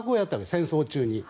戦争中に。